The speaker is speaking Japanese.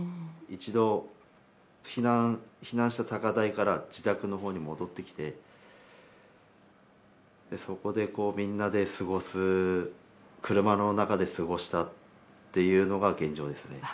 一度、避難した高台から自宅のほうに戻ってきてそこでみんなで車の中で過ごしたっていうのが現状ですね。